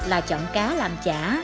là chọn cá làm chả